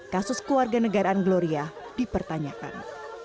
kasus kewarganegaraan gloria dipertanyakan